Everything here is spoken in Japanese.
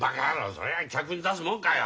それが客に出すもんかよ。